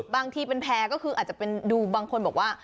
บางทีเป็นแพร่ก็คืออาจจะเป็นดูบางคนบอกว่า